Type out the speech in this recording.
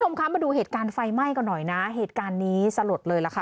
มาดูเหตุการณ์ไฟไหม้กันหน่อยนะเหตุการณ์นี้สะหรับเลยนะคะ